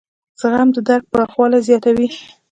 زغم د درک پراخوالی زیاتوي.